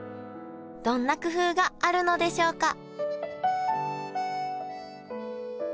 どんな工夫があるのでしょうか？